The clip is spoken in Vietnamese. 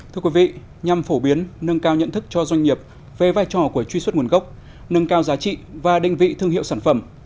thưa quý vị nhằm phổ biến nâng cao nhận thức cho doanh nghiệp về vai trò của truy xuất nguồn gốc nâng cao giá trị và đinh vị thương hiệu sản phẩm